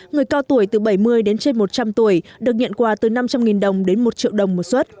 người cao tuổi từ bảy mươi đến trên một trăm linh tuổi được nhận quà từ năm trăm linh đồng đến một triệu đồng một xuất